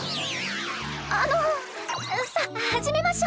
あのさあ始めましょ！